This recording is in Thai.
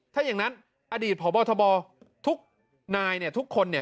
ถ้าอย่างนั้นอดีตพบทบทุกนายทุกคน